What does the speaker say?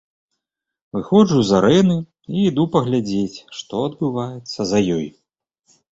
Выходжу з арэны і іду паглядзець, што адбываецца за ёй.